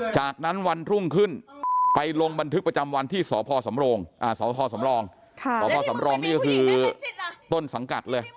จากนั้นวันรุ่งขึ้นไปลงบันทึกประจำวันที่สพสำรองสพสำรองนี่ก็คือต้นสังกัดเลย